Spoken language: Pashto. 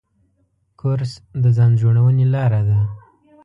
کورس د ځان جوړونې لاره ده.